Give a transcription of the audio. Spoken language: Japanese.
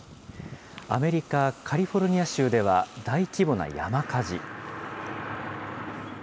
アメリカ・カリフォルニア州では大規模な山火事。